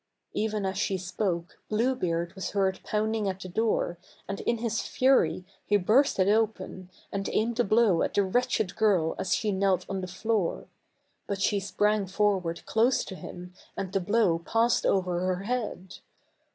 Even as she spoke, Blue Beard was heard pounding at the door, and in his fury he burst it open, and aimed a blow at the wretched girl as she knelt on the floor. But she sprang forward close to him, and the blow passed over her head.